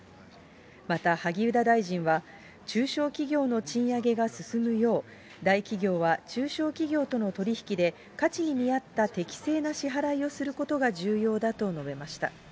また、萩生田大臣は中小企業の賃上げが進むよう、大企業は中小企業との取り引きで、価値に見合った適正な支払いをすることが重要だと述べました。